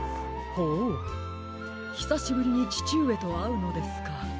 ほうひさしぶりにちちうえとあうのですか。